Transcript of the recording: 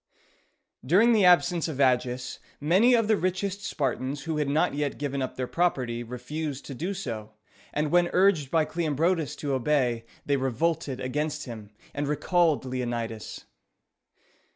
During the absence of Agis, many of the richest Spartans who had not yet given up their property refused to do so, and when urged by Cleombrotus to obey, they revolted against him, and recalled Leonidas.